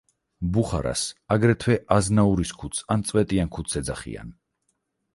ბუხარას აგრეთვე „აზნაურის ქუდს“ ან „წვეტიან ქუდს“ ეძახიან.